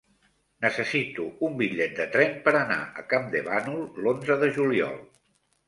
Necessito un bitllet de tren per anar a Campdevànol l'onze de juliol.